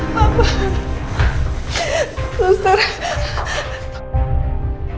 mama udah mati